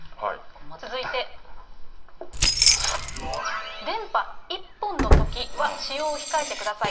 続いて、電波１本のときは使用を控えてください。